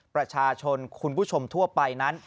ประชาชนคุณผู้ชมทั่วไปนั้น